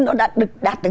nó đã được đạt được